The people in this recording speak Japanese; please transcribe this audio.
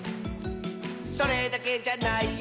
「それだけじゃないよ」